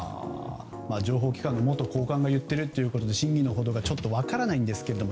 情報機関の元高官が言っているということで真偽のほどがちょっと分からないんですけども。